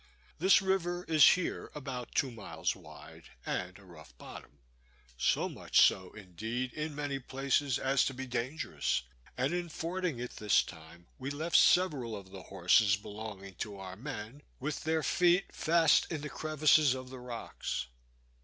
This river is here about two miles wide, and a rough bottom; so much so, indeed, in many places, as to be dangerous; and in fording it this time, we left several of the horses belonging to our men, with their feet fast in the crevices of the rocks.